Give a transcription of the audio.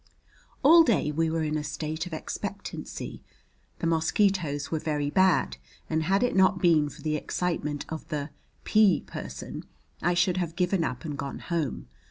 All day we were in a state of expectancy. The mosquitoes were very bad, and had it not been for the excitement of the P person I should have given up and gone home.